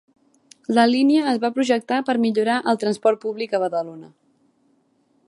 La línia es va projectar per millorar el transport públic a Badalona.